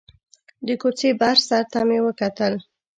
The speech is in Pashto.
د کوڅې بر سر ته مې وکتل.